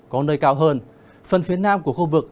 có nơi cao hơn phần phía nam của khu vực